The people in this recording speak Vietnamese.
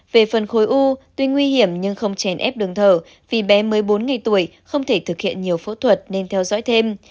về phần khối u tuy nguy hiểm nhưng không chèn ép đường thở vì bé mới bốn ngày tuổi không thể thực hiện nhiều phẫu thuật nên theo dõi thêm